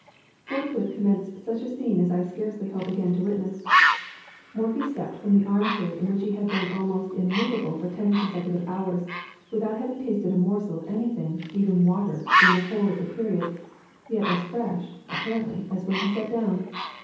Forthwith commenced such a scene as I scarcely hope again to witness. Morphy stepped from the arm chair in which he had been almost immovable for ten consecutive hours, without having tasted a morsel of any thing, even water, during the whole of the period; yet as fresh, apparently, as when he sat down.